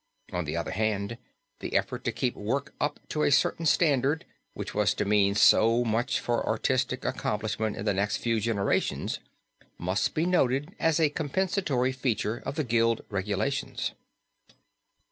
On the other hand the effort to keep work up to a certain standard, which was to mean so much for artistic accomplishment in the next few generations must be noted as a compensatory feature of the Guild regulations.